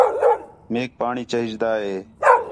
میک پاݨی چاہیجدا ہے